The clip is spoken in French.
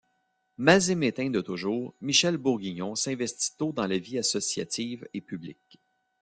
Mazamétain de toujours, Michel Bourguignon s'investit tôt dans la vie associative et publique.